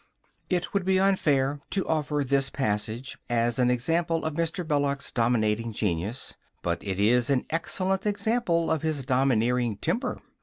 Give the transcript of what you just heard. It would be unfair to offer this passage as an example of Mr. Belize's dominating genius, but it is an excellent example of his domineering temper.